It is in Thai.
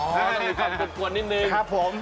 อ๋อนะคะกวนนิดนะครับผม